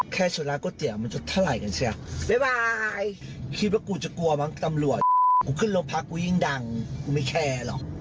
ความจริงกูพอรู้ก็หมดแล้ว